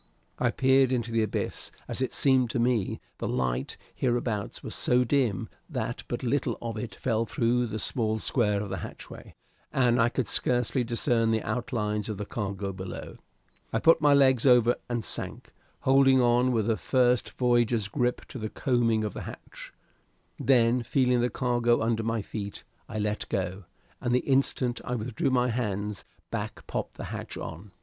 I peered into the abyss, as it seemed to me; the light hereabouts was so dim that but little of it fell through the small square of hatchway, and I could scarcely discern the outlines of the cargo below. I put my legs over and sank, holding on with a first voyager's grip to the coaming of the hatch; then, feeling the cargo under my feet, I let go, and the instant I withdrew my hands, Back popped the hatch on.